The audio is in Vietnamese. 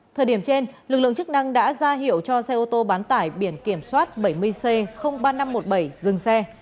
thời điểm trên lực lượng chức năng đã ra hiệu cho xe ô tô bán tải biển kiểm soát bảy mươi c ba nghìn năm trăm một mươi bảy dừng xe